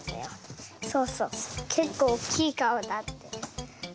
そうそうけっこうおっきいかお。